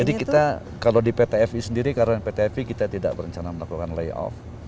jadi kita kalau di pt fi sendiri karena pt fi kita tidak berencana melakukan lay off